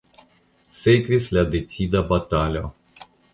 Sekvis la decida batalo.